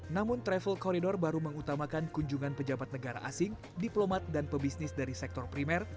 namun travel corridor baru mengutamakan kunjungan pejabat negara asing diplomat dan pebisnis dari sektor primer